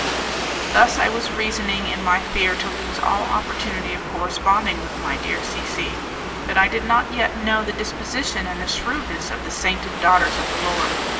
Thus I was reasoning in my fear to lose all opportunity of corresponding with my dear C C , but I did not yet know the disposition and the shrewdness of the sainted daughters of the Lord.